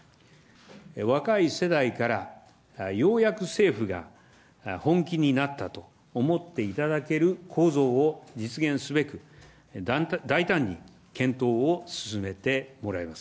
若い世代からようやく政府が本気になったと思っていただける構造を実現すべく、大胆に検討を進めてもらいます。